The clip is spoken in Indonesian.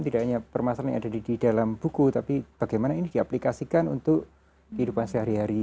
tidak hanya permasalahan yang ada di dalam buku tapi bagaimana ini diaplikasikan untuk kehidupan sehari hari